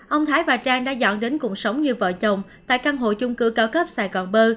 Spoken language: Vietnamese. ông thái và trang đã dọn đến cùng sống như vợ chồng tại căn hộ chung cư cao cấp sài gòn bơ